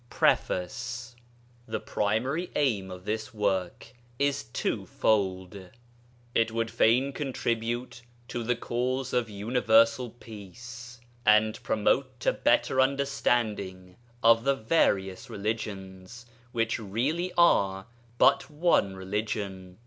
PREFACE The primary aim of this work is twofold. It would fain contribute to the cause of universal peace, and promote the better understanding of the various religions which really are but one religion.